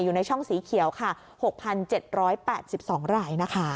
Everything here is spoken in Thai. อยู่ในช่องสีเขียวค่ะ๖๗๘๒รายนะคะ